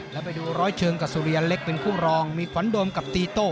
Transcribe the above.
แล้วไปดูร้อยเชิงกับสุริยันเล็กเป็นคู่รองมีขวัญโดมกับตีโต้